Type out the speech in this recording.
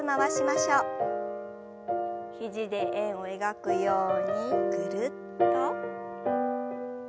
肘で円を描くようにぐるっと。